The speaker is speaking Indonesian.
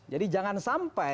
jadi jangan sampai